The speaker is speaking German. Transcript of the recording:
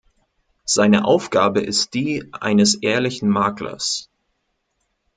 Seine Aufgabe ist die eines ehrlichen Maklers.